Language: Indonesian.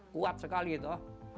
kuat sekali itu